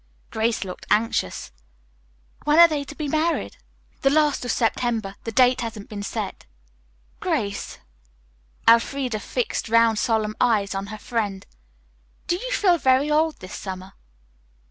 Grace looked anxious. "When are they to be married?" "The last of September. The date hasn't been set." "Grace," Elfreda fixed round solemn eyes on her friend, "do you feel very old this summer?"